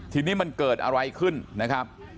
ทีนี้มันเกิดอะไรขึ้นนะครับ